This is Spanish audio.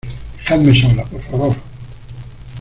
dejadme sola, por favor